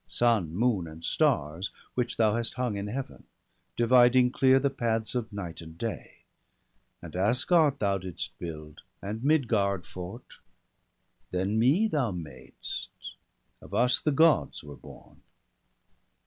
Sun, moon, and stars, which thou hast hung in Heaven, Dividing clear the paths of night and day. And Asgard thou didst build, and Midgard fort; Then me thou mad'st; of us the Gods were born.